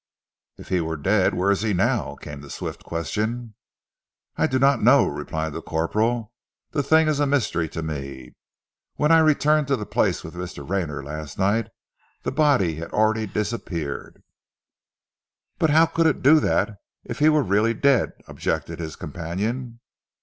"If he were dead, where is he now?" came the swift question. "I do not know," replied the corporal. "The thing is a mystery to me. When I returned to the place with Mr. Rayner last night the body had already disappeared." "But how could it do that, if he were really dead?" objected his companion.